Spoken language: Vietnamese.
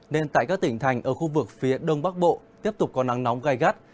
nên tại các tỉnh thành ở khu vực phía đông bắc bộ tiếp tục có nắng nóng gai gắt